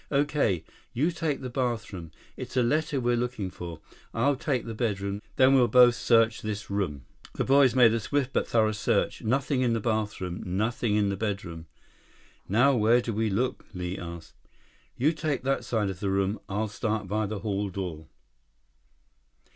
"Okay. You take the bathroom. It's a letter we're looking for. I'll take the bedroom, then we'll both search this room." 40 The boys made a swift, but thorough search. Nothing in the bathroom. Nothing in the bedroom. "Now where do we look?" Li asked. "You take that side of the room. I'll start by the hall door."